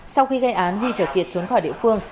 sau khi gây án huy trở kiệt trốn khỏi địa phương